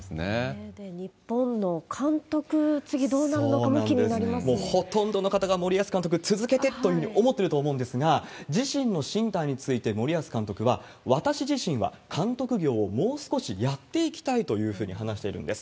日本の監督、次どうなるのかもうほとんどの方が、森保監督、続けてというふうに思ってると思うんですが、自身の進退について、森保監督は、私自身は監督業をもう少しやっていきたいというふうに話しているんです。